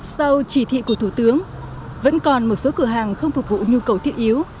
sau chỉ thị của thủ tướng vẫn còn một số cửa hàng không phục vụ nhu cầu thiết yếu